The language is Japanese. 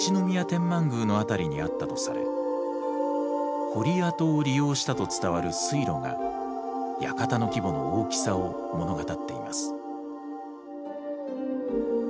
天満宮の辺りにあったとされ堀跡を利用したと伝わる水路が館の規模の大きさを物語っています。